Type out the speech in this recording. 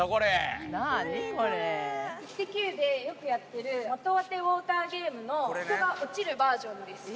イッテＱでよくやっている、的当てウォーターゲームの、人が落ちるバージョンです。